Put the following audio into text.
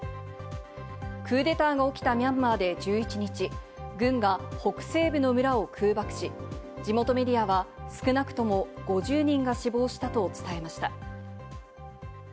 クーデターが起きたミャンマーで１１日、軍が北西部の村を空爆し、地元メディアは少なくとも５０人が死亡したと伝えました。